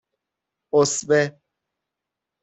اُسوه